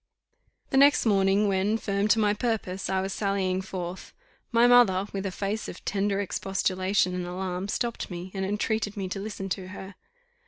The next morning, when, firm to my purpose, I was sallying forth, my mother, with a face of tender expostulation and alarm, stopped me, and entreated me to listen to her.